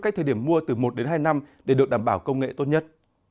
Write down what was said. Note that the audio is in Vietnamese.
cách thời điểm mua từ một đến hai năm để được đảm bảo công nghệ tốt nhất